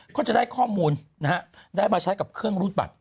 ก็จะได้ข้อมูลนะฮะได้มาใช้กับเครื่องรูดบัตร